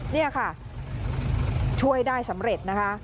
นี่ค่ะช่วยได้สำเร็จนะคะ